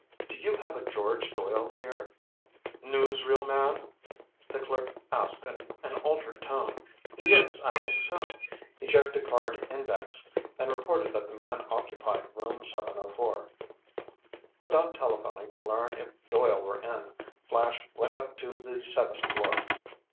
"Do you have a George Doyle here?" "Newsreel man?" the clerk asked in an altered tone. "Yes, I think so." He checked a card index and reported that the man occupied Room 704. Without telephoning to learn if Doyle were in, Flash went up to the seventh floor.